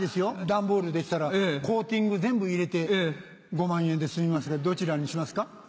段ボールでしたらコーティング全部入れて５万円で済みますがどちらにしますか？